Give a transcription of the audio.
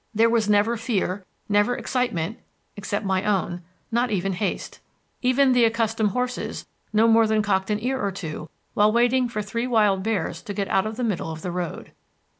There was never fear, never excitement (except my own), not even haste. Even the accustomed horses no more than cocked an ear or two while waiting for three wild bears to get out of the middle of the road.